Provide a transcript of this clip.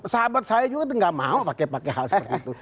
sahabat saya juga itu enggak mau pakai pakai hal hal seperti itu